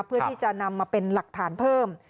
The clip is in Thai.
เพื่อที่จะนำมาเป็นหลักฐานเพิ่ม